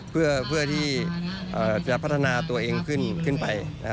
เพื่อที่จะพัฒนาตัวเองขึ้นไป